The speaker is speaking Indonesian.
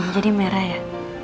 jadi merah ya